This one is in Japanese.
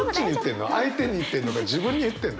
相手に言ってんのか自分に言ってんの？